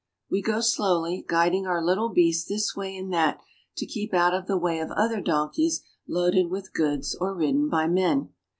We go slowly, guiding our little beasts this way and that to keep out of the way of other donkeys loaded with goods or ridden by men.